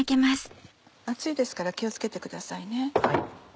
熱いですから気を付けてくださいね。